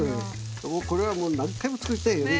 これはもう何回も作ったよね。